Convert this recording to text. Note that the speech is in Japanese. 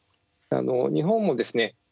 日本もですね